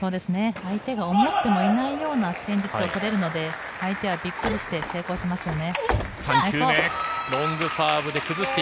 相手が思っていないような戦術を取れるので相手はびっくりして成功しますよね。